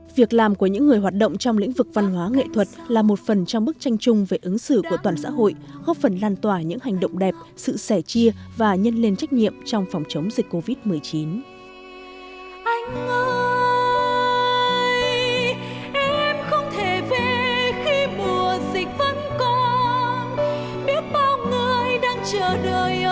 việc làm của những người hoạt động trong lĩnh vực văn hóa nghệ thuật là một phần trong bức tranh chung về ứng xử của toàn xã hội góp phần lan tỏa những hành động đẹp sự sẻ chia và nhân lên trách nhiệm trong phòng chống dịch covid một mươi chín